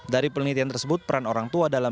dari pernihtian tersebut peran orang tua adalah